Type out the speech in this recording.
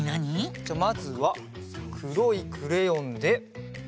じゃあまずはくろいクレヨンで。